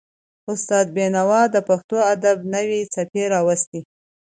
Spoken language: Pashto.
استاد بینوا د پښتو ادب نوې څپې راوستلې.